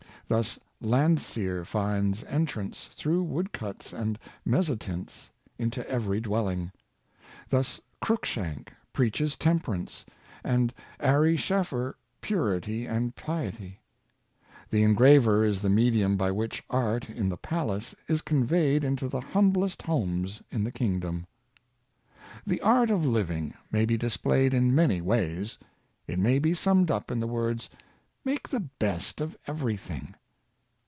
Thus Landseer finds entrance, through wood cuts and mezzotints, into every dwelling. Thus Cruikshank preaches temperance, and Ary Sheffer purity and piety. The engraver is the medium by which art in the palace is conveyed into the humblest homes in the kingdom. The art of living may be displayed in many ways. It may be summed up in the words, " Make the best of everything."